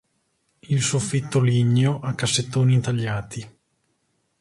Il soffitto ligneo a cassettoni intagliati.